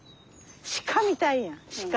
鹿みたいや鹿。